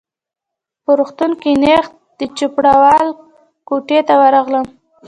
په روغتون کي نیغ د چوپړوال کوټې ته ورغلم.